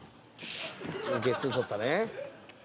ゲッツー取ったね。